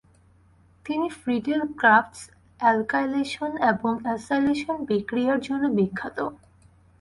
তিনি Friedel Crafts alkylation এবং acylation বিক্রিয়ার জন্য বিখ্যাত।